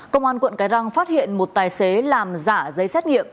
công an quận cái răng phát hiện một tài xế làm giả giấy xét nghiệm